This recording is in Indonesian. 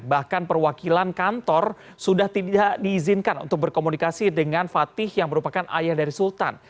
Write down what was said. bahkan perwakilan kantor sudah tidak diizinkan untuk berkomunikasi dengan fatih yang merupakan ayah dari sultan